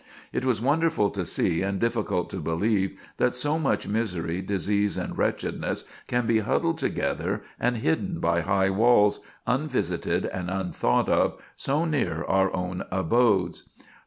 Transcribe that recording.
It was wonderful to see, and difficult to believe, that so much misery, disease and wretchedness can be huddled together and hidden by high walls, unvisited and unthought of, so near our own abodes.